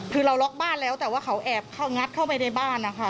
คือเราล็อกบ้านแล้วแต่ว่าเขาแอบงัดเข้าไปในบ้านนะคะ